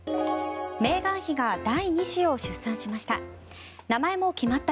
メーガン妃が第２子を出産しました。